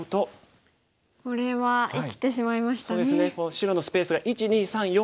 白のスペースが１２３４。